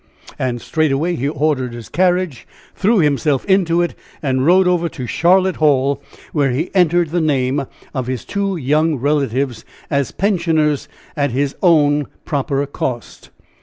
And straightway he ordered his carriage, threw himself into it, and rode over to Charlotte Hall, where he entered the name of his two young relatives as pensioners at his own proper cost.